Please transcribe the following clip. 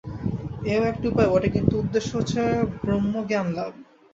এও একটা উপায় বটে, কিন্তু উদ্দেশ্য হচ্ছে ব্রহ্মজ্ঞানলাভ।